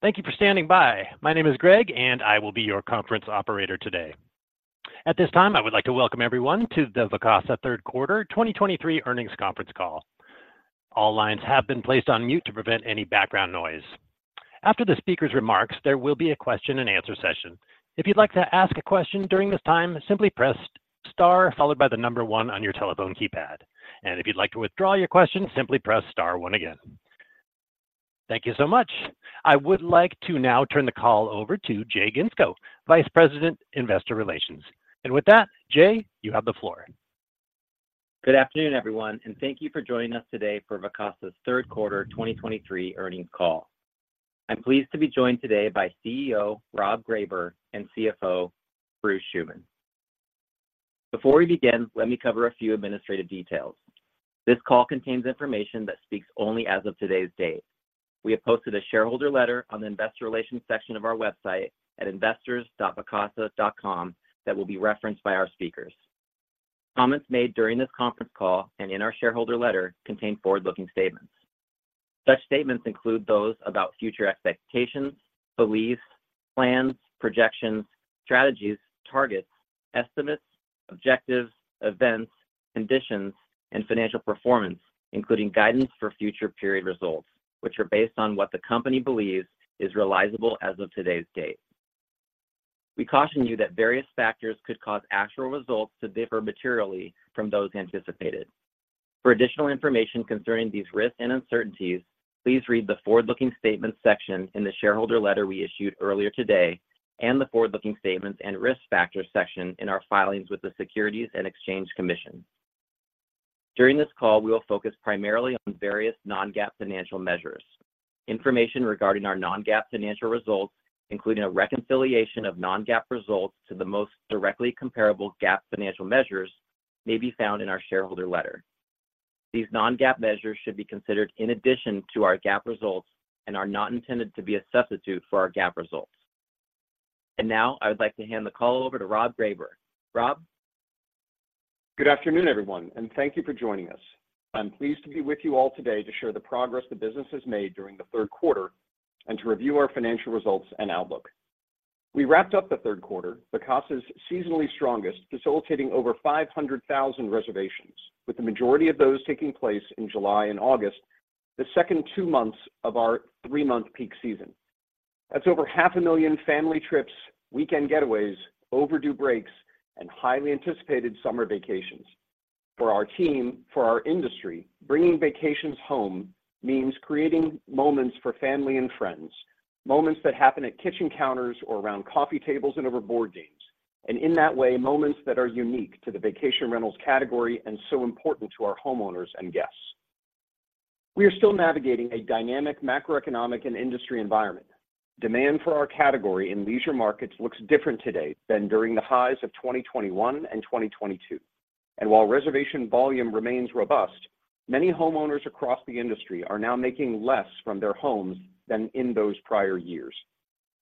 Thank you for standing by. My name is Greg, and I will be your conference operator today. At this time, I would like to welcome everyone to the Vacasa Q3 2023 Earnings Conference Call. All lines have been placed on mute to prevent any background noise. After the speaker's remarks, there will be a question-and-answer session. If you'd like to ask a question during this time, simply press Star followed by the number one on your telephone keypad. And if you'd like to withdraw your question, simply press Star one again. Thank you so much. I would like to now turn the call over to Jay Ginsko, Vice President, Investor Relations. With that, Jay, you have the floor. Good afternoon, everyone, and thank you for joining us today for Vacasa's Q3 2023 earnings call. I'm pleased to be joined today by CEO, Rob Greyber, and CFO, Bruce Schuman. Before we begin, let me cover a few administrative details. This call contains information that speaks only as of today's date. We have posted a shareholder letter on the investor relations section of our website at investors.vacasa.com that will be referenced by our speakers. Comments made during this conference call and in our shareholder, letter contain forward-looking statements. Such statements include those about future expectations, beliefs, plans, projections, strategies, targets, estimates, objectives, events, conditions, and financial performance, including guidance for future period results, which are based on what the company believes is realizable as of today's date. We caution you that various factors could cause actual results to differ materially from those anticipated. For additional information concerning these risks and uncertainties, please read the Forward-Looking Statements section in the shareholder letter we issued earlier today and the Forward-Looking Statements and Risk Factors section in our filings with the Securities and Exchange Commission. During this call, we will focus primarily on various non-GAAP financial measures. Information regarding our non-GAAP financial results, including a reconciliation of non-GAAP results to the most directly comparable GAAP financial measures, may be found in our shareholder letter. These non-GAAP measures should be considered in addition to our GAAP results and are not intended to be a substitute for our GAAP results. And now, I would like to hand the call over to Rob Greyber. Rob? Good afternoon, everyone, and thank you for joining us. I'm pleased to be with you all today to share the progress the business has made during the Q3 and to review our financial results and outlook. We wrapped up the Q3, Vacasa's seasonally strongest, facilitating over 500,000 reservations, with the majority of those taking place in July and August, the second two months of our three-month peak season. That's over 500,000 family trips, weekend getaways, overdue breaks, and highly anticipated summer vacations. For our team, for our industry, bringing vacations home means creating moments for family and friends, moments that happen at kitchen counters or around coffee tables and overboard games, and in that way, moments that are unique to the vacation rentals category and so important to our homeowners and guests. We are still navigating a dynamic macroeconomic and industry environment. Demand for our category in leisure markets looks different today than during the highs of 2021 and 2022. While reservation volume remains robust, many homeowners across the industry are now making less from their homes than in those prior years.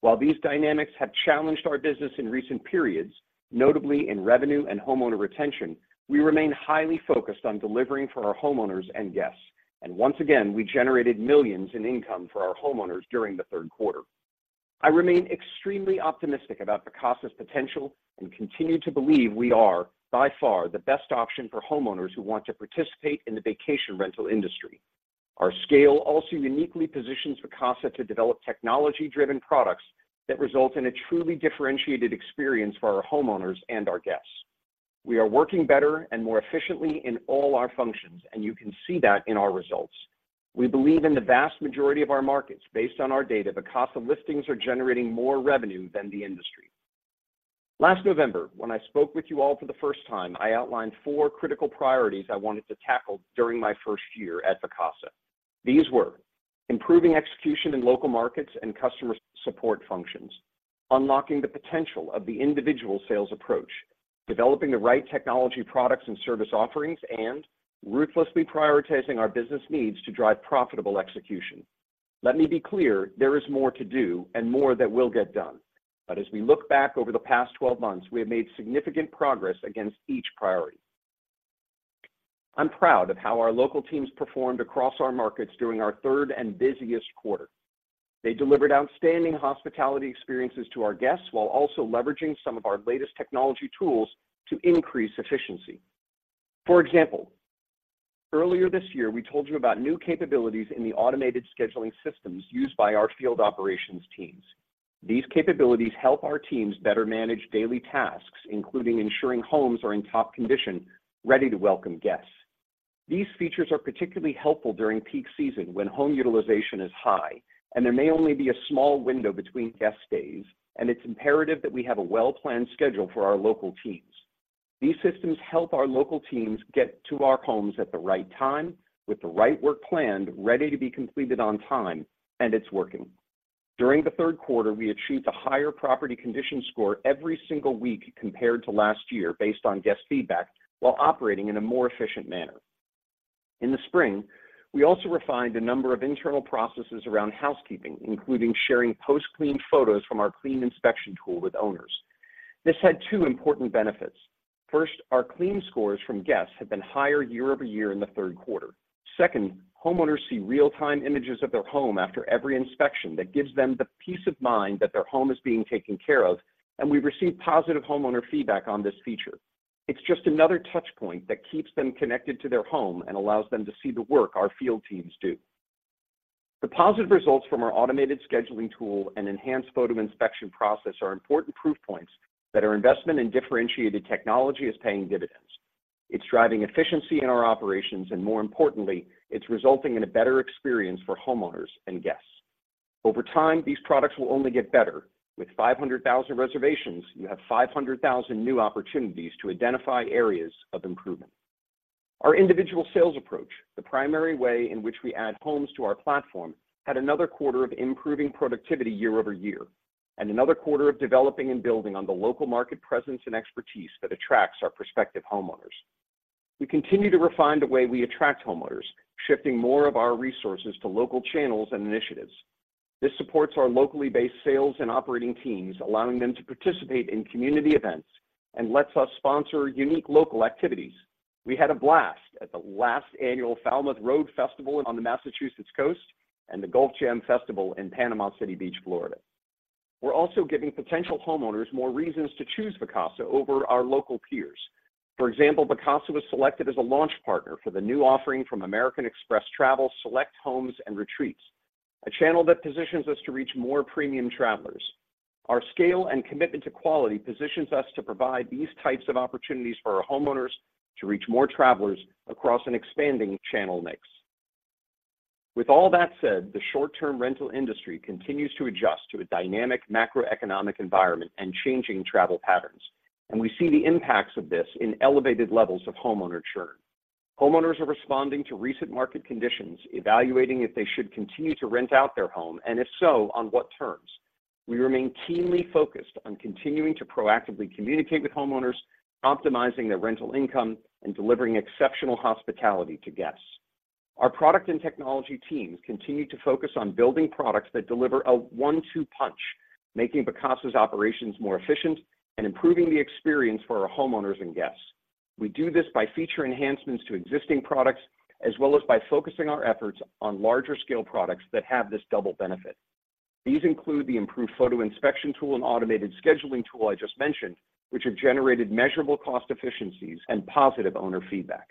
While these dynamics have challenged our business in recent periods, notably in revenue and homeowner retention, we remain highly focused on delivering for our homeowners and guests, and once again, we generated $ millions in income for our homeowners during the Q3. I remain extremely optimistic about Vacasa's potential and continue to believe we are by far the best option for homeowners who want to participate in the vacation rental industry. Our scale also uniquely positions Vacasa to develop technology-driven products that result in a truly differentiated experience for our homeowners and our guests. We are working better and more efficiently in all our functions, and you can see that in our results. We believe in the vast majority of our markets. Based on our data, Vacasa listings are generating more revenue than the industry. Last November, when I spoke with you all for the first time, I outlined four critical priorities I wanted to tackle during my first year at Vacasa. These were: improving execution in local markets and customer support functions, unlocking the potential of the individual sales approach, developing the right technology products and service offerings, and ruthlessly prioritizing our business needs to drive profitable execution. Let me be clear, there is more to do and more that will get done. But as we look back over the past 12 months, we have made significant progress against each priority. I'm proud of how our local teams performed across our markets during our third and busiest quarter. They delivered outstanding hospitality experiences to our guests while also leveraging some of our latest technology tools to increase efficiency. For example, earlier this year, we told you about new capabilities in the automated scheduling systems used by our field operations teams. These capabilities help our teams better manage daily tasks, including ensuring homes are in top condition, ready to welcome guests. These features are particularly helpful during peak season when home utilization is high, and there may only be a small window between guest stays, and it's imperative that we have a well-planned schedule for our local teams. These systems help our local teams get to our homes at the right time, with the right work planned, ready to be completed on time, and it's working. During the Q3, we achieved a higher property condition score every single week compared to last year based on guest feedback, while operating in a more efficient manner. In the spring, we also refined a number of internal processes around housekeeping, including sharing post-clean photos from our clean inspection tool with owners. This had two important benefits. First, our clean scores from guests have been higher year-over-year in the Q3. Second, homeowners see real-time images of their home after every inspection that gives them the peace of mind that their home is being taken care of, and we've received positive homeowner feedback on this feature. It's just another touch point that keeps them connected to their home and allows them to see the work our field teams do. The positive results from our automated scheduling tool and enhanced photo inspection process are important proof points that our investment in differentiated technology is paying dividends. It's driving efficiency in our operations, and more importantly, it's resulting in a better experience for homeowners and guests. Over time, these products will only get better. With 500,000 reservations, you have 500,000 new opportunities to identify areas of improvement. Our individual sales approach, the primary way in which we add homes to our platform, had another quarter of improving productivity year-over-year, and another quarter of developing and building on the local market presence and expertise that attracts our prospective homeowners. We continue to refine the way we attract homeowners, shifting more of our resources to local channels and initiatives. This supports our locally based sales and operating teams, allowing them to participate in community events and lets us sponsor unique local activities. We had a blast at the last annual Falmouth Road Festival on the Massachusetts coast and the Gulf Jam Festival in Panama City Beach, Florida. We're also giving potential homeowners more reasons to choose Vacasa over our local peers. For example, Vacasa was selected as a launch partner for the new offering from American Express Travel, Select Homes and Retreats, a channel that positions us to reach more premium travelers. Our scale and commitment to quality positions us to provide these types of opportunities for our homeowners to reach more travelers across an expanding channel mix. With all that said, the short-term rental industry continues to adjust to a dynamic macroeconomic environment and changing travel patterns, and we see the impacts of this in elevated levels of homeowner churn. Homeowners are responding to recent market conditions, evaluating if they should continue to rent out their home, and if so, on what terms. We remain keenly focused on continuing to proactively communicate with homeowners, optimizing their rental income, and delivering exceptional hospitality to guests. Our product and technology teams continue to focus on building products that deliver a one-two punch, making Vacasa's operations more efficient and improving the experience for our homeowners and guests. We do this by feature enhancements to existing products, as well as by focusing our efforts on larger scale products that have this double benefit. These include the improved photo inspection tool and automated scheduling tool I just mentioned, which have generated measurable cost efficiencies and positive owner feedback.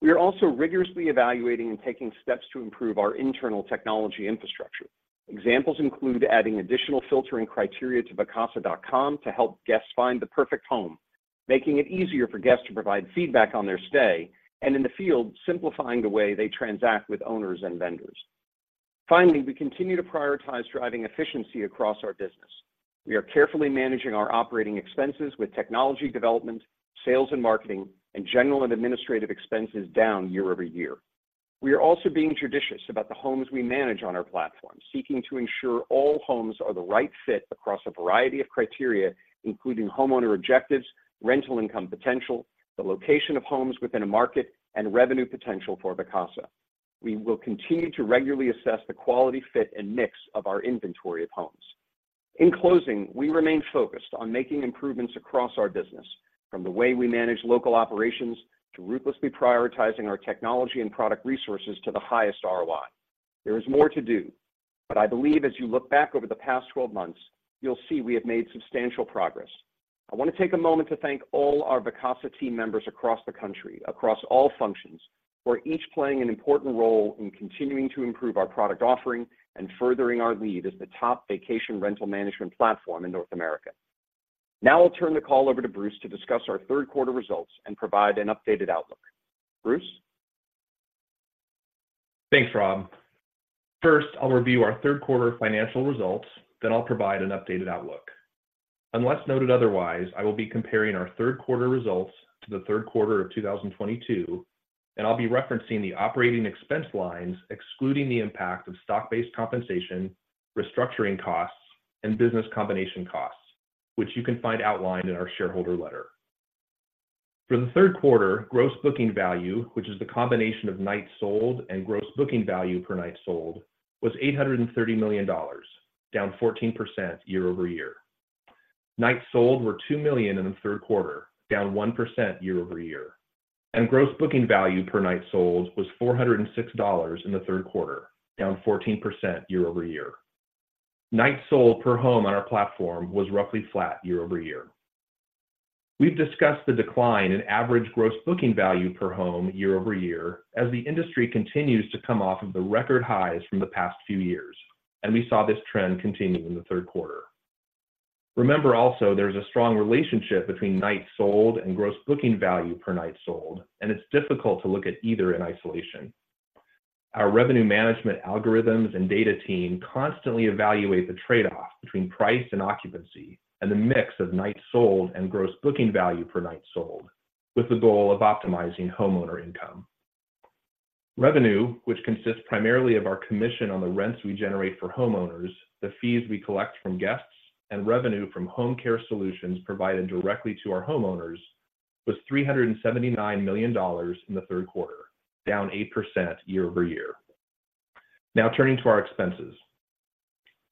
We are also rigorously evaluating and taking steps to improve our internal technology infrastructure. Examples include adding additional filtering criteria to vacasa.com to help guests find the perfect home, making it easier for guests to provide feedback on their stay, and in the field, simplifying the way they transact with owners and vendors. Finally, we continue to prioritize driving efficiency across our business. We are carefully managing our operating expenses with technology development, sales and marketing, and general and administrative expenses down year-over-year. We are also being judicious about the homes we manage on our platform, seeking to ensure all homes are the right fit across a variety of criteria, including homeowner objectives, rental income potential, the location of homes within a market, and revenue potential for Vacasa. We will continue to regularly assess the quality, fit, and mix of our inventory of homes. In closing, we remain focused on making improvements across our business, from the way we manage local operations, to ruthlessly prioritizing our technology and product resources to the highest ROI. There is more to do, but I believe as you look back over the past 12 months, you'll see we have made substantial progress. I want to take a moment to thank all our Vacasa team members across the country, across all functions, for each playing an important role in continuing to improve our product offering and furthering our lead as the top vacation rental management platform in North America. Now I'll turn the call over to Bruce to discuss our Q3 results and provide an updated outlook. Bruce? Thanks, Rob. First, I'll review our Q3 financial results, then I'll provide an updated outlook. Unless noted otherwise, I will be comparing our Q3 results to the Q3 of 2022, and I'll be referencing the operating expense lines, excluding the impact of stock-based compensation, restructuring costs, and business combination costs, which you can find outlined in our shareholder letter. For the Q3, gross booking value, which is the combination of nights sold and gross booking value per night sold, was $830 million, down 14% year-over-year. Nights sold were $2 million in the Q3, down 1% year-over-year, and gross booking value per night sold was $406 in the Q3, down 14% year-over-year. Nights sold per home on our platform was roughly flat year-over-year. We've discussed the decline in average gross booking value per home year-over-year as the industry continues to come off of the record highs from the past few years, and we saw this trend continue in the Q3. Remember also, there's a strong relationship between nights sold and gross booking value per night sold, and it's difficult to look at either in isolation. Our revenue management algorithms and data team constantly evaluate the trade-off between price and occupancy, and the mix of nights sold and gross booking value per night sold, with the goal of optimizing homeowner income. Revenue, which consists primarily of our commission on the rents we generate for homeowners, the fees we collect from guests, and revenue from home care solutions provided directly to our homeowners, was $379 million in the Q3, down 8% year-over-year. Now turning to our expenses.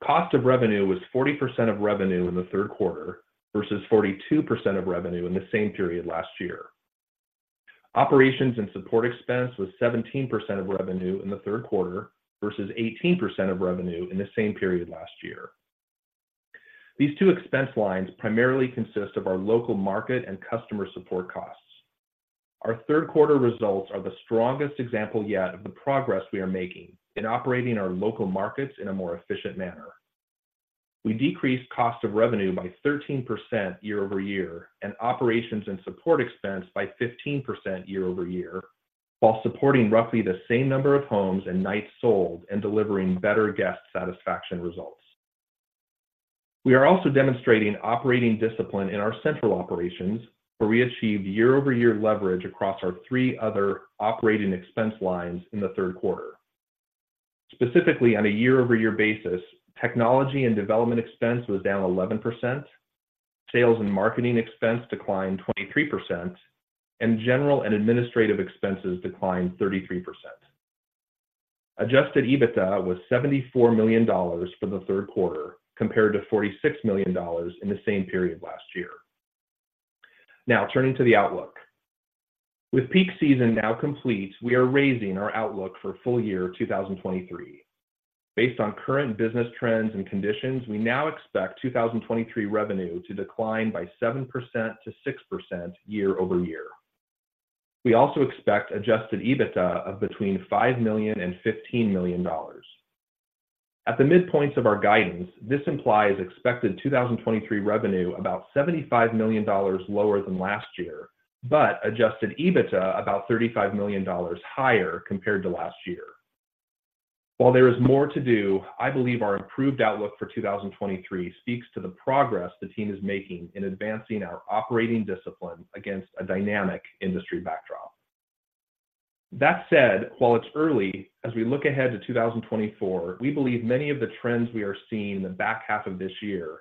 Cost of revenue was 40% of revenue in the Q3, versus 42% of revenue in the same period last year. Operations and support expense was 17% of revenue in the Q3, versus 18% of revenue in the same period last year. These two expense lines primarily consist of our local market and customer support costs. Our Q3 results are the strongest example yet of the progress we are making in operating our local markets in a more efficient manner. We decreased cost of revenue by 13% year-over-year, and operations and support expense by 15% year-over-year, while supporting roughly the same number of homes and nights sold, and delivering better guest satisfaction results. We are also demonstrating operating discipline in our central operations, where we achieved year-over-year leverage across our three other operating expense lines in the Q3. Specifically, on a year-over-year basis, technology and development expense was down 11%, sales and marketing expense declined 23%, and general and administrative expenses declined 33%. Adjusted EBITDA was $74 million for the Q3, compared to $46 million in the same period last year. Now, turning to the outlook. With peak season now complete, we are raising our outlook for full year 2023. Based on current business trends and conditions, we now expect 2023 revenue to decline by 7%-6% year-over-year. We also expect adjusted EBITDA of between $5 million and $15 million. At the midpoints of our guidance, this implies expected 2023 revenue about $75 million lower than last year, but Adjusted EBITDA about $35 million higher compared to last year. While there is more to do, I believe our improved outlook for 2023 speaks to the progress the team is making in advancing our operating discipline against a dynamic industry backdrop. That said, while it's early, as we look ahead to 2024, we believe many of the trends we are seeing in the back half of this year,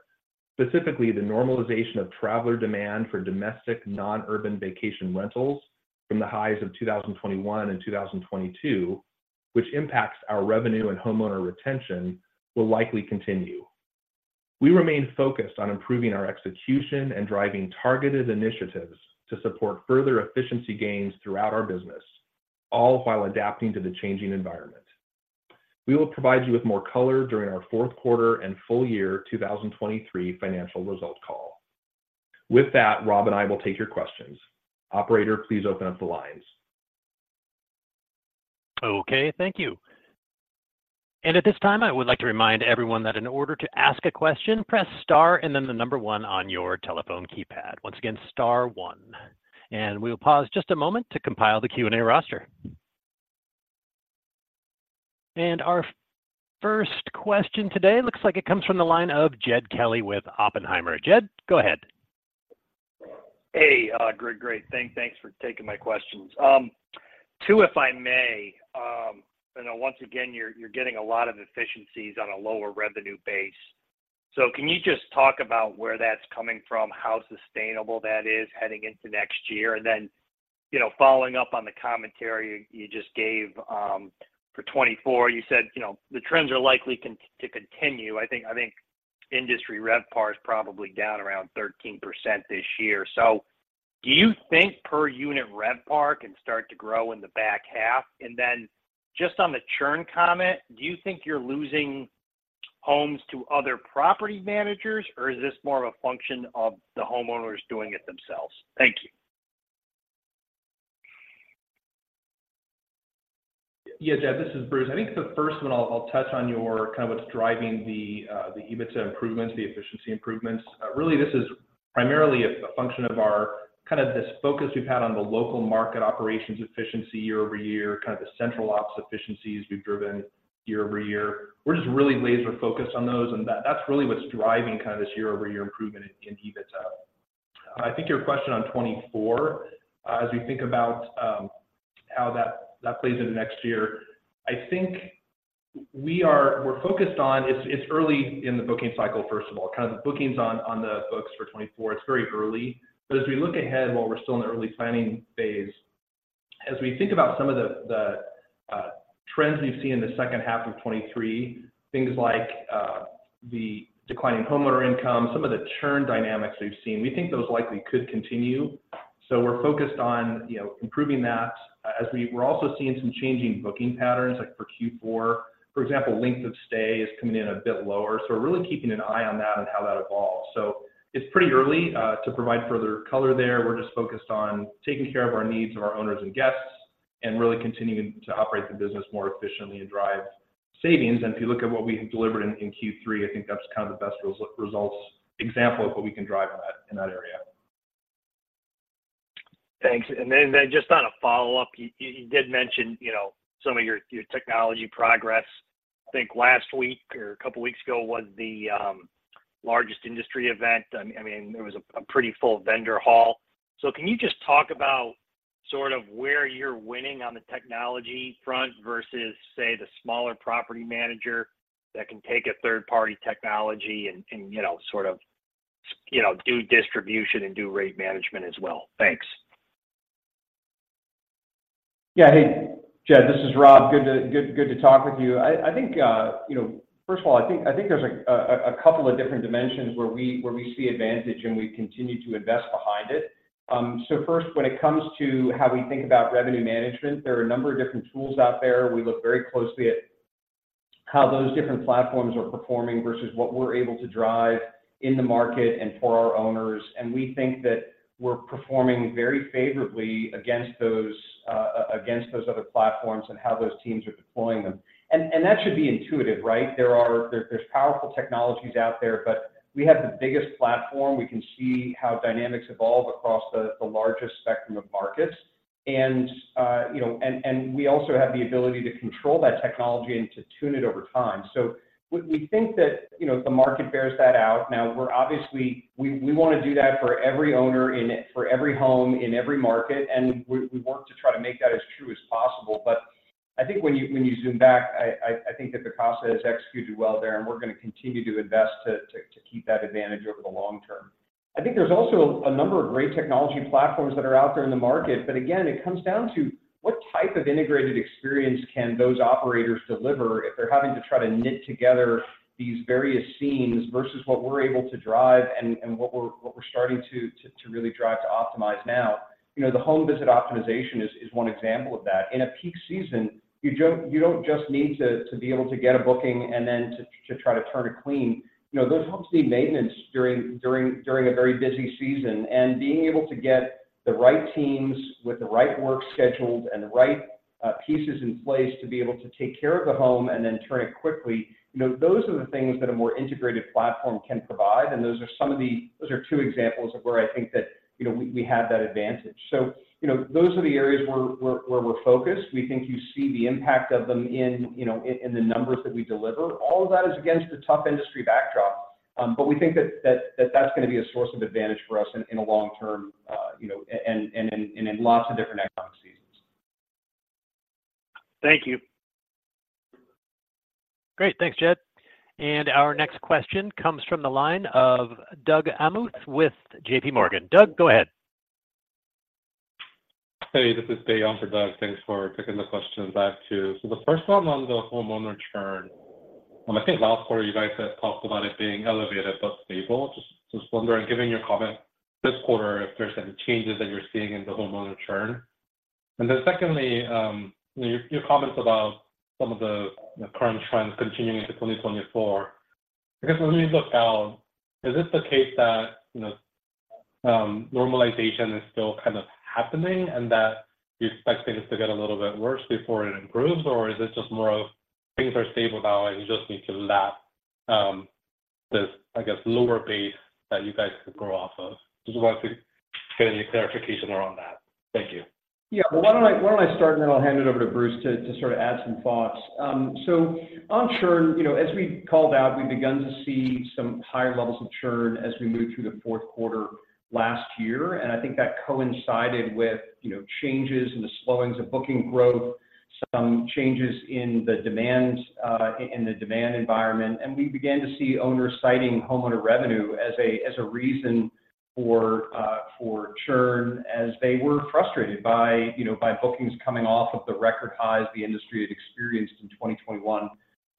specifically the normalization of traveler demand for domestic, non-urban vacation rentals from the highs of 2021 and 2022, which impacts our revenue and homeowner retention, will likely continue. We remain focused on improving our execution and driving targeted initiatives to support further efficiency gains throughout our business, all while adapting to the changing environment. We will provide you with more color during our Q4 and full year 2023 financial results call. With that, Rob and I will take your questions. Operator, please open up the lines. Okay, thank you. At this time, I would like to remind everyone that in order to ask a question, press star and then the number one on your telephone keypad. Once again, star one. We will pause just a moment to compile the Q&A roster. Our first question today looks like it comes from the line of Jed Kelly with Oppenheimer. Jed, go ahead. Hey, great, great. Thanks for taking my questions. Two, if I may. I know once again, you're getting a lot of efficiencies on a lower revenue base. So can you just talk about where that's coming from, how sustainable that is heading into next year? And then, you know, following up on the commentary you just gave, for 2024, you said, you know, the trends are likely to continue. I think industry RevPAR is probably down around 13% this year. So do you think per unit RevPAR can start to grow in the back half? And then just on the churn comment, do you think you're losing homes to other property managers, or is this more of a function of the homeowners doing it themselves? Thank you. Yeah, Jed, this is Bruce. I think the first one I'll touch on your kind of what's driving the EBITDA improvements, the efficiency improvements. Really, this is primarily a function of our kind of this focus we've had on the local market operations efficiency year over year, kind of the central ops efficiencies we've driven year over year. We're just really laser focused on those, and that's really what's driving kind of this year-over-year improvement in EBITDA. I think your question on 2024, as we think about how that plays into next year, I think we are - we're focused on - It's early in the booking cycle, first of all, kind of the bookings on the books for 2024. It's very early, but as we look ahead, while we're still in the early planning phase, as we think about some of the trends we've seen in the second half of 2023, things like the declining homeowner income, some of the churn dynamics we've seen, we think those likely could continue. So we're focused on, you know, improving that. We're also seeing some changing booking patterns, like for Q4, for example, length of stay is coming in a bit lower. So we're really keeping an eye on that and how that evolves. So it's pretty early to provide further color there. We're just focused on taking care of our needs of our owners and guests, and really continuing to operate the business more efficiently and drive savings. If you look at what we delivered in Q3, I think that's kind of the best results example of what we can drive on that, in that area. Thanks. Then just on a follow-up, you did mention, you know, some of your technology progress. I think last week or a couple of weeks ago was the largest industry event. I mean, there was a pretty full vendor hall. So can you just talk about sort of where you're winning on the technology front versus, say, the smaller property manager that can take a third-party technology and, you know, sort of do distribution and do rate management as well? Thanks.... Yeah. Hey, Jed, this is Rob. Good to talk with you. I think, you know, first of all, I think there's a couple of different dimensions where we see advantage, and we continue to invest behind it. So first, when it comes to how we think about revenue management, there are a number of different tools out there. We look very closely at how those different platforms are performing versus what we're able to drive in the market and for our owners. And we think that we're performing very favorably against those against those other platforms and how those teams are deploying them. And that should be intuitive, right? There are powerful technologies out there, but we have the biggest platform. We can see how dynamics evolve across the largest spectrum of markets. And, you know, we also have the ability to control that technology and to tune it over time. So we think that, you know, the market bears that out. Now, we're obviously. We want to do that for every owner in it, for every home, in every market, and we work to try to make that as true as possible. But I think when you zoom back, I think that Vacasa has executed well there, and we're going to continue to invest to keep that advantage over the long term. I think there's also a number of great technology platforms that are out there in the market. But again, it comes down to what type of integrated experience can those operators deliver if they're having to try to knit together these various systems versus what we're able to drive and what we're starting to really drive to optimize now. You know, the home visit optimization is one example of that. In a peak season, you don't just need to be able to get a booking and then try to turn it clean. You know, those homes need maintenance during a very busy season, and being able to get the right teams with the right work scheduled and the right pieces in place to be able to take care of the home and then turn it quickly. You know, those are the things that a more integrated platform can provide, and those are some of the—those are two examples of where I think that, you know, we have that advantage. So, you know, those are the areas where we're focused. We think you see the impact of them in, you know, the numbers that we deliver. All of that is against a tough industry backdrop, but we think that that's going to be a source of advantage for us in the long term, you know, and in lots of different economic seasons. Thank you. Great. Thanks, Jed. Our next question comes from the line of Doug Anmuth with J.P. Morgan. Doug, go ahead. Hey, this is Doug. Thanks for taking the question. Back to... So the first one on the homeowner churn. I think last quarter, you guys had talked about it being elevated but stable. Just, just wondering, given your comment this quarter, if there's any changes that you're seeing in the homeowner churn? And then secondly, your, your comments about some of the, the current trends continuing into 2024. I guess when we look out, is this the case that, you know, normalization is still kind of happening and that you expect things to get a little bit worse before it improves? Or is it just more of things are stable now, and you just need to lap, this, I guess, lower base that you guys could grow off of? Just wanted to get any clarification around that. Thank you. Yeah. Well, why don't I start, and then I'll hand it over to Bruce to sort of add some thoughts. So on churn, you know, as we called out, we've begun to see some higher levels of churn as we moved through the Q4 last year, and I think that coincided with, you know, changes in the slowings of booking growth, some changes in the demand, in the demand environment. And we began to see owners citing homeowner revenue as a, as a reason for, for churn, as they were frustrated by, you know, by bookings coming off of the record highs the industry had experienced in 2021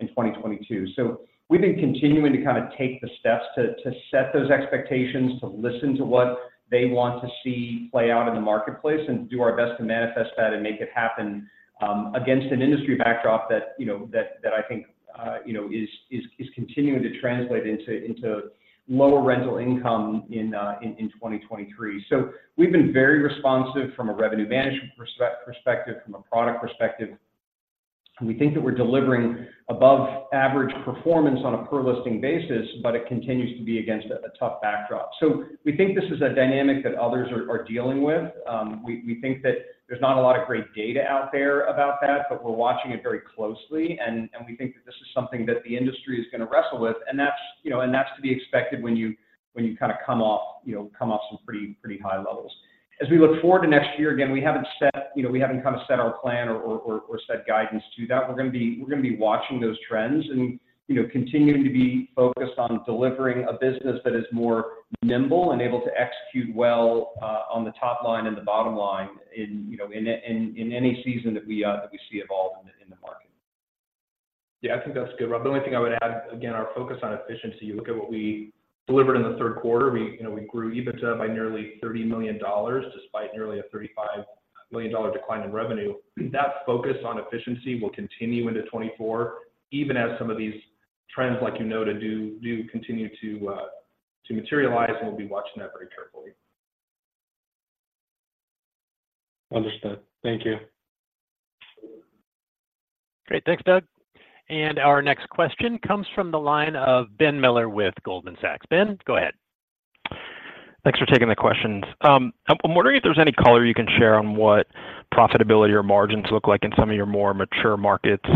and 2022. So we've been continuing to kind of take the steps to set those expectations, to listen to what they want to see play out in the marketplace, and do our best to manifest that and make it happen, against an industry backdrop that, you know, I think is continuing to translate into lower rental income in 2023. So we've been very responsive from a revenue management perspective, from a product perspective. We think that we're delivering above average performance on a per listing basis, but it continues to be against a tough backdrop. So we think this is a dynamic that others are dealing with. We think that there's not a lot of great data out there about that, but we're watching it very closely, and we think that this is something that the industry is going to wrestle with. And that's, you know, and that's to be expected when you, when you kind of come off, you know, come off some pretty, pretty high levels. As we look forward to next year, again, we haven't set, you know, we haven't kind of set our plan or set guidance to that. We're going to be watching those trends and, you know, continuing to be focused on delivering a business that is more nimble and able to execute well on the top line and the bottom line in, you know, in any season that we see evolve in the market. Yeah, I think that's good, Rob. The only thing I would add, again, our focus on efficiency. You look at what we delivered in the Q3. We, you know, we grew EBITDA by nearly $30 million, despite nearly a $35 million decline in revenue. That focus on efficiency will continue into 2024, even as some of these trends, like you noted, do, do continue to materialize, and we'll be watching that very carefully. Understood. Thank you. Great. Thanks, Doug. Our next question comes from the line of Ben Miller with Goldman Sachs. Ben, go ahead. Thanks for taking the questions. I'm wondering if there's any color you can share on what profitability or margins look like in some of your more mature markets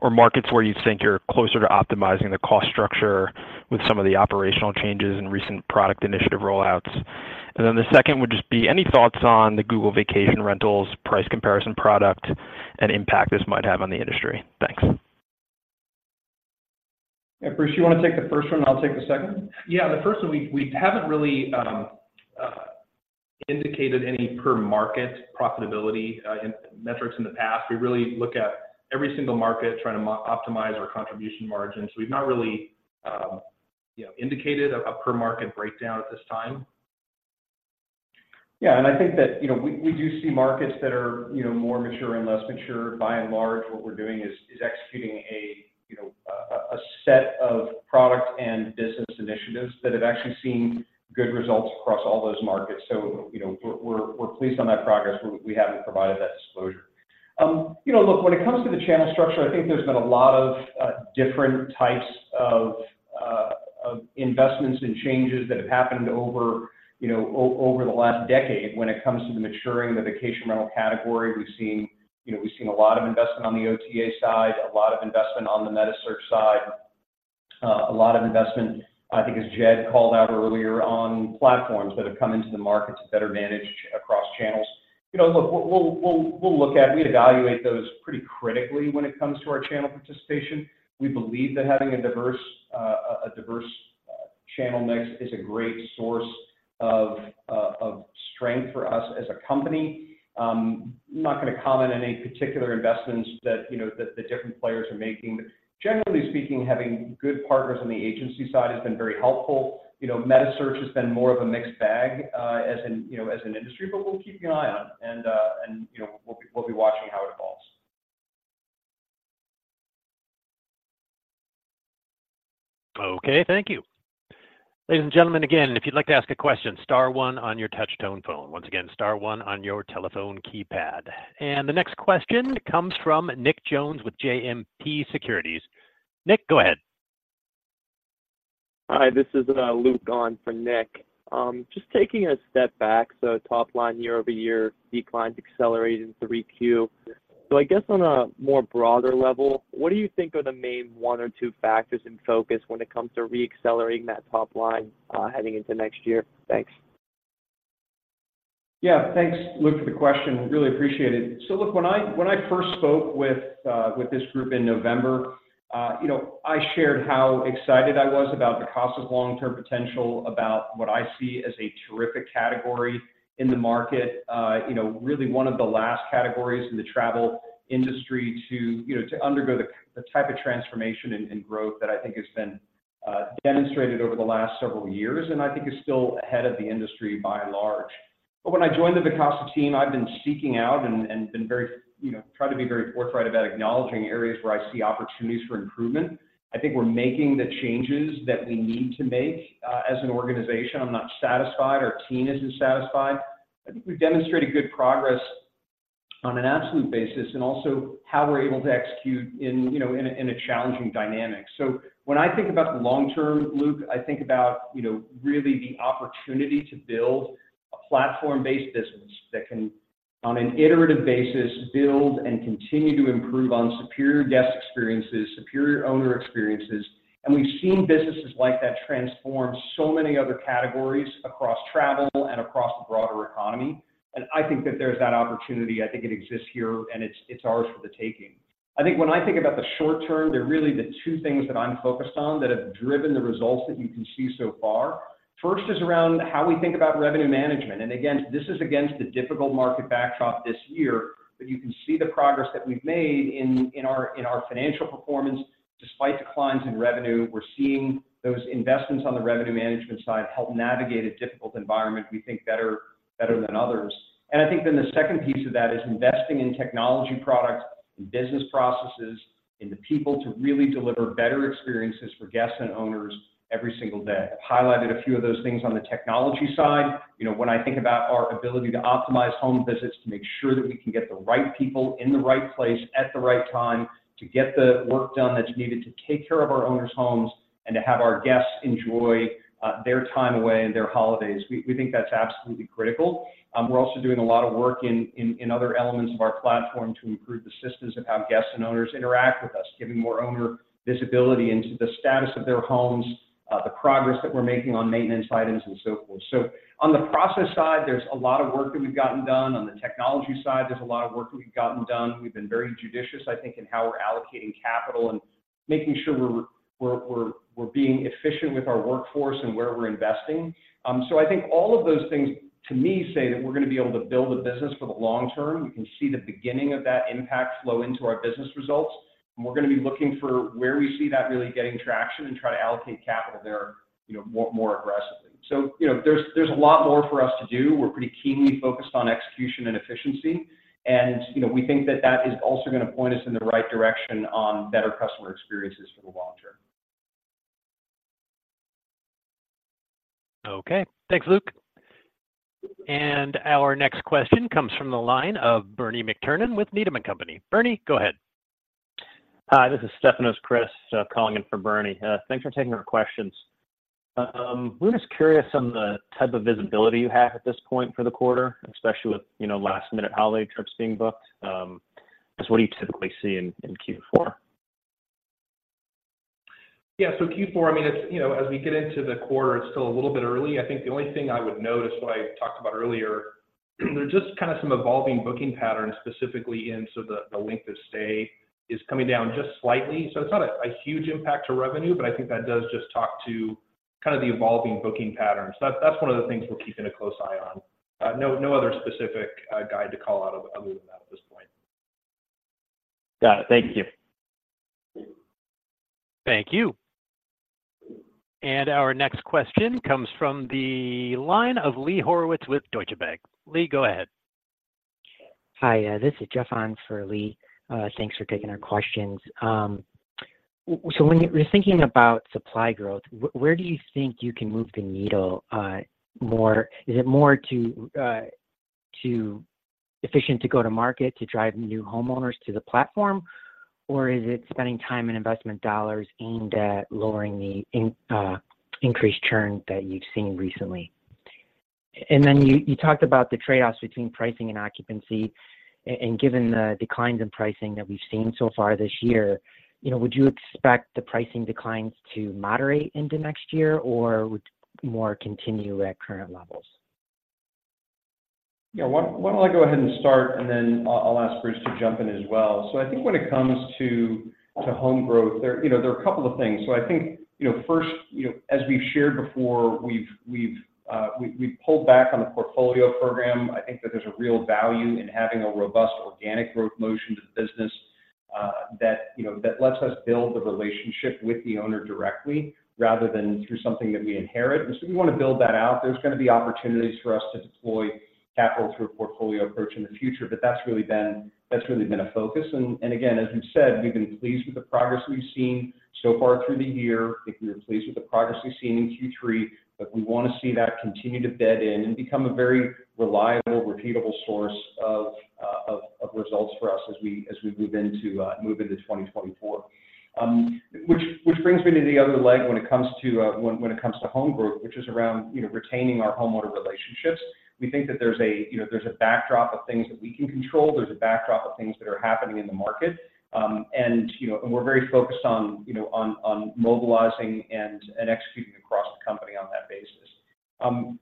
or markets where you think you're closer to optimizing the cost structure with some of the operational changes and recent product initiative rollouts. And then the second would just be, any thoughts on the Google vacation rentals, price comparison product, and impact this might have on the industry? Thanks. And Bruce, you want to take the first one, and I'll take the second? Yeah, the first one, we haven't really indicated any per market profitability in metrics in the past. We really look at every single market, trying to optimize our contribution margin. So we've not really, you know, indicated a per market breakdown at this time. Yeah, and I think that, you know, we do see markets that are, you know, more mature and less mature. By and large, what we're doing is executing a set of product and business initiatives that have actually seen good results across all those markets. So, you know, we're pleased on that progress. We haven't provided that disclosure. You know, look, when it comes to the channel structure, I think there's been a lot of different types of investments and changes that have happened over, you know, over the last decade when it comes to maturing of the vacation rental category. We've seen, you know, we've seen a lot of investment on the OTA side, a lot of investment on the metasearch side, a lot of investment, I think, as Jed called out earlier, on platforms that have come into the market to better manage across channels. You know, look, we evaluate those pretty critically when it comes to our channel participation. We believe that having a diverse, a diverse, channel mix is a great source of strength for us as a company. I'm not going to comment on any particular investments that, you know, that the different players are making, but generally speaking, having good partners on the agency side has been very helpful. You know, metasearch has been more of a mixed bag, as in, you know, as an industry, but we'll keep an eye on it, and, and, you know, we'll, we'll be watching how it evolves. Okay, thank you. Ladies and gentlemen, again, if you'd like to ask a question, star one on your touchtone phone. Once again, star one on your telephone keypad. The next question comes from Nick Jones with JMP Securities. Nick, go ahead. Hi, this is Luke on for Nick. Just taking a step back, so top line, year-over-year declines accelerated in 3Q. So I guess on a more broader level, what do you think are the main one or two factors in focus when it comes to reaccelerating that top line, heading into next year? Thanks. Yeah, thanks, Luke, for the question. Really appreciate it. So look, when I first spoke with this group in November, you know, I shared how excited I was about the cost of long-term potential, about what I see as a terrific category in the market. You know, really one of the last categories in the travel industry to undergo the type of transformation and growth that I think has been demonstrated over the last several years, and I think is still ahead of the industry by and large. But when I joined the Vacasa team, I've been seeking out and been very, you know, tried to be very forthright about acknowledging areas where I see opportunities for improvement. I think we're making the changes that we need to make as an organization. I'm not satisfied, our team isn't satisfied. I think we've demonstrated good progress on an absolute basis, and also how we're able to execute in, you know, a challenging dynamic. So when I think about the long term, Luke, I think about, you know, really the opportunity to build a platform-based business that can, on an iterative basis, build and continue to improve on superior guest experiences, superior owner experiences. And we've seen businesses like that transform so many other categories across travel and across the broader economy, and I think that there's that opportunity. I think it exists here, and it's, it's ours for the taking. I think when I think about the short term, there are really the two things that I'm focused on that have driven the results that you can see so far. First is around how we think about revenue management, and again, this is against a difficult market backdrop this year, but you can see the progress that we've made in our financial performance. Despite declines in revenue, we're seeing those investments on the revenue management side help navigate a difficult environment, we think, better than others. And I think then the second piece of that is investing in technology products and business processes, and the people to really deliver better experiences for guests and owners every single day. I've highlighted a few of those things on the technology side. You know, when I think about our ability to optimize home visits, to make sure that we can get the right people in the right place at the right time, to get the work done that's needed to take care of our owners' homes, and to have our guests enjoy their time away and their holidays, we, we think that's absolutely critical. We're also doing a lot of work in other elements of our platform to improve the systems of how guests and owners interact with us, giving more owner visibility into the status of their homes, the progress that we're making on maintenance items, and so forth. So on the process side, there's a lot of work that we've gotten done. On the technology side, there's a lot of work that we've gotten done. We've been very judicious, I think, in how we're allocating capital and making sure we're being efficient with our workforce and where we're investing. So I think all of those things, to me, say that we're going to be able to build a business for the long term. You can see the beginning of that impact flow into our business results, and we're going to be looking for where we see that really getting traction and try to allocate capital there, you know, more aggressively. So, you know, there's a lot more for us to do. We're pretty keenly focused on execution and efficiency, and, you know, we think that that is also going to point us in the right direction on better customer experiences for the long term. Okay. Thanks, Luke. And our next question comes from the line of Bernie McTernan with Needham and Company. Bernie, go ahead. Hi, this is Stefanos Crist calling in for Bernie. Thanks for taking our questions. We're just curious on the type of visibility you have at this point for the quarter, especially with, you know, last-minute holiday trips being booked. Just what do you typically see in Q4? Yeah, so Q4, I mean, it's... You know, as we get into the quarter, it's still a little bit early. I think the only thing I would note is what I talked about earlier. There's just kind of some evolving booking patterns, specifically, so the length of stay is coming down just slightly. So, it's not a huge impact to revenue, but I think that does just talk to kind of the evolving booking patterns. So that's one of the things we're keeping a close eye on. No, no other specific guide to call out other than that at this point. Got it. Thank you. Thank you. Our next question comes from the line of Lee Horowitz with Deutsche Bank. Lee, go ahead. Hi, this is Jeff on for Lee. Thanks for taking our questions. So, when you're thinking about supply growth, where do you think you can move the needle more? Is it more efficient to go to market to drive new homeowners to the platform? Or is it spending time and investment dollars aimed at lowering the increased churn that you've seen recently? And then you talked about the trade-offs between pricing and occupancy, and given the declines in pricing that we've seen so far this year, you know, would you expect the pricing declines to moderate into next year, or would more continue at current levels? Yeah. Why don't I go ahead and start, and then I'll ask Bruce to jump in as well. So, I think when it comes to home growth there, you know, there are a couple of things. So, I think, you know, first, you know, as we've shared before, we've pulled back on the portfolio program. I think that there's a real value in having a robust organic growth motion to the business, that, you know, that lets us build the relationship with the owner directly, rather than through something that we inherit. And so, we want to build that out. There's gonna be opportunities for us to deploy capital through a portfolio approach in the future, but that's really been a focus. And again, as we've said, we've been pleased with the progress we've seen so far through the year. I think we're pleased with the progress we've seen in Q3, but we want to see that continue to bed in and become a very reliable, repeatable source of results for us as we move into 2024. Which brings me to the other leg when it comes to home growth, which is around, you know, retaining our homeowner relationships. We think that there's a backdrop of things that we can control. There's a backdrop of things that are happening in the market. And we're very focused on mobilizing and executing across the company on that basis.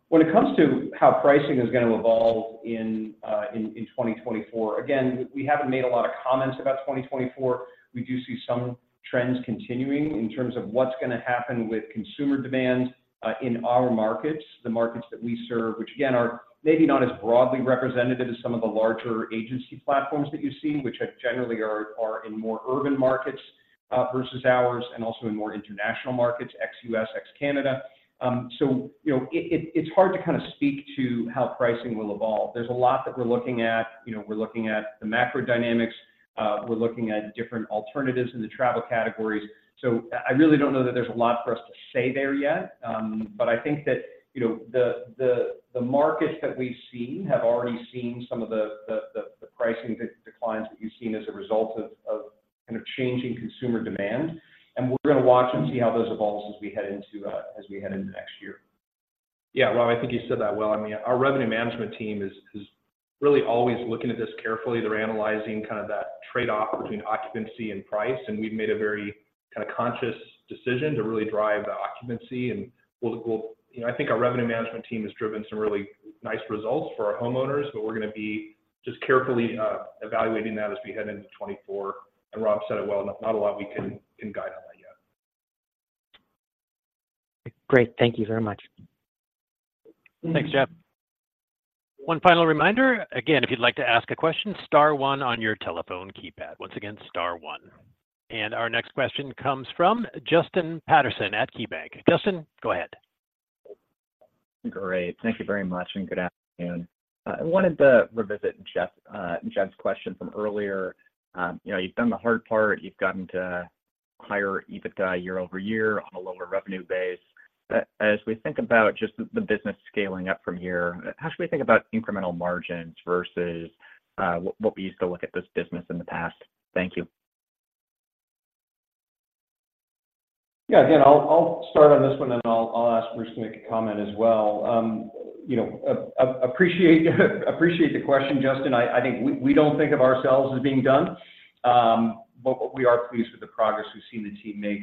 When it comes to how pricing is gonna evolve in 2024, again, we haven't made a lot of comments about 2024. We do see some trends continuing in terms of what's gonna happen with consumer demand in our markets, the markets that we serve, which again are maybe not as broadly representative as some of the larger agency platforms that you see, which are generally in more urban markets versus ours, and also in more international markets, ex-U.S., ex-Canada. So, you know, it's hard to kind of speak to how pricing will evolve. There's a lot that we're looking at. You know, we're looking at the macro dynamics, we're looking at different alternatives in the travel categories. So, I really don't know that there's a lot for us to say there yet. But I think that, you know, the markets that we've seen have already seen some of the pricing declines that you've seen as a result of kind of changing consumer demand. And we're gonna watch and see how those evolve as we head into next year. Yeah. Well, I think you said that well. I mean, our revenue management team is really always looking at this carefully. They're analyzing kind of that trade-off between occupancy and price, and we've made a very kind of conscious decision to really drive the occupancy. And we'll, you know, I think our revenue management team has driven some really nice results for our homeowners, but we're gonna be just carefully evaluating that as we head into 2024. And Rob said it well, not a lot we can guide on that yet. Great. Thank you very much. Thanks, Jeff. One final reminder, again, if you'd like to ask a question, star one on your telephone keypad. Once again, star one. And our next question comes from Justin Patterson at KeyBanc. Justin, go ahead. Great. Thank you very much, and good afternoon. I wanted to revisit Jeff, Jeff's question from earlier. You know, you've done the hard part. You've gotten to higher EBITDA year over year on a lower revenue base. But as we think about just the business scaling up from here, how should we think about incremental margins versus, what we used to look at this business in the past? Thank you. Yeah. Again, I'll start on this one, and I'll ask Bruce to make a comment as well. You know, appreciate the question, Justin. I think we don't think of ourselves as being done, but we are pleased with the progress we've seen the team make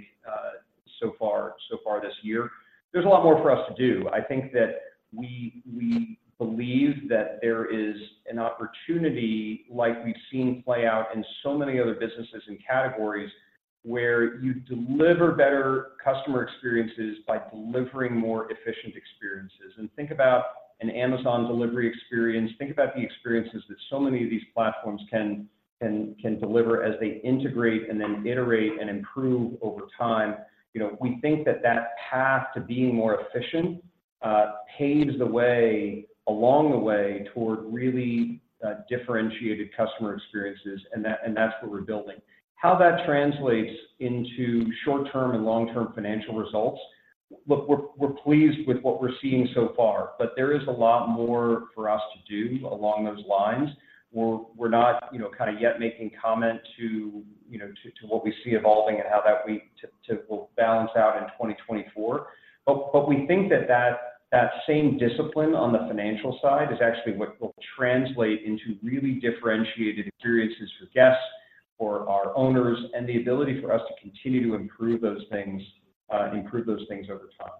so far this year. There's a lot more for us to do. I think that we believe that there is an opportunity, like we've seen play out in so many other businesses and categories, where you deliver better customer experiences by delivering more efficient experiences. And think about an Amazon delivery experience. Think about the experiences that so many of these platforms can deliver as they integrate and then iterate and improve over time. You know, we think that that path to being more efficient paves the way, along the way toward really differentiated customer experiences, and that, and that's what we're building. How that translates into short-term and long-term financial results. Look, we're pleased with what we're seeing so far, but there is a lot more for us to do along those lines. We're not, you know, kind of yet making comment to, you know, to what we see evolving and how that will balance out in 2024. But we think that that same discipline on the financial side is actually what will translate into really differentiated experiences for guests, for our owners, and the ability for us to continue to improve those things over time.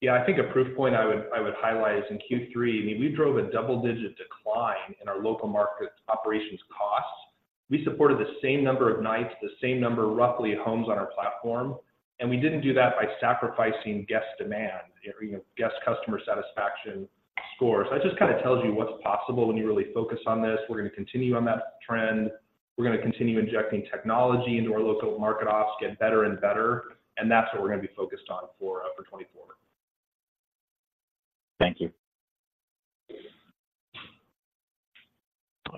Yeah, I think a proof point I would highlight is in Q3. I mean, we drove a double-digit decline in our local market operations costs. We supported the same number of nights, the same number, roughly, of homes on our platform, and we didn't do that by sacrificing guest demand or, you know, guest customer satisfaction scores. That just kind of tells you what's possible when you really focus on this. We're gonna continue on that trend. We're gonna continue injecting technology into our local market ops to get better and better, and that's what we're gonna be focused on for 2024. Thank you.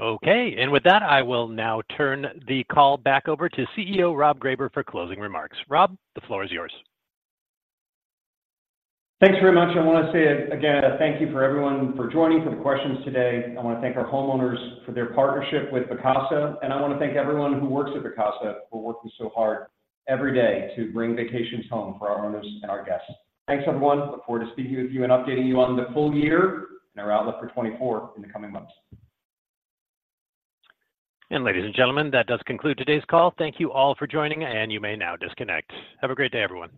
Okay. With that, I will now turn the call back over to CEO Rob Greyber for closing remarks. Rob, the floor is yours. Thanks very much. I want to say again, thank you for everyone for joining, for the questions today. I want to thank our homeowners for their partnership with Vacasa, and I want to thank everyone who works at Vacasa for working so hard every day to bring vacations home for our owners and our guests. Thanks, everyone. Look forward to speaking with you and updating you on the full year and our outlook for 2024 in the coming months. Ladies and gentlemen, that does conclude today's call. Thank you all for joining, and you may now disconnect. Have a great day, everyone.